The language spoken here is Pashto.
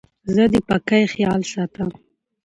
زه د پاکۍ خیال ساتم.